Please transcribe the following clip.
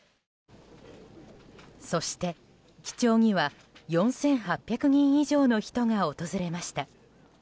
そして、記帳には４８００人以上の人が訪れました。